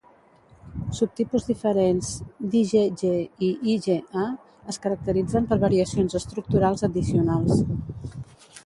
Subtipus diferents d'IgG i IgA es caracteritzen per variacions estructurals addicionals.